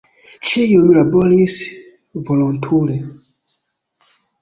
Ĉiuj laboris volontule.